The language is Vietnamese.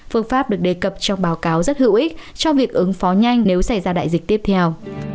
phương pháp được đề cập trong báo cáo rất hữu ích cho việc ứng phó nhanh nếu xảy ra đại dịch tiếp theo